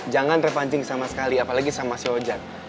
jangan terpancing sama sekali apalagi sama sehojan